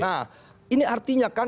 nah ini artinya kan